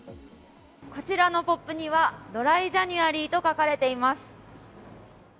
こちらのポップには、ドライ・ジャニュアリーと書かれています。